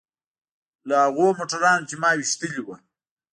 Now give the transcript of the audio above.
له هغو موټرانو چې ما ويشتلي وو.